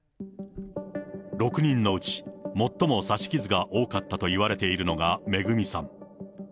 ６人のうち、最も刺し傷が多かったといわれているのが恵さん。